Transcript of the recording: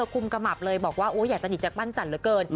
คุมกระหมับเลยบอกว่าอยากสนิทจากบ้านจันทร์เหลือเกิน